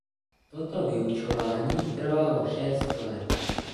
Toto vyučování trvalo šest let.